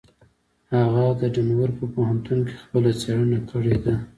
هغه د ډنور په پوهنتون کې خپله څېړنه کړې ده.